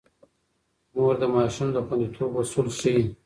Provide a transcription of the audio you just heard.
مور د ماشوم د خونديتوب اصول ښيي.